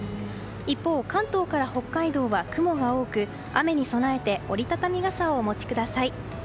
一方、関東から北海道は雲が多く雨に備えて折り畳み傘をお持ちください。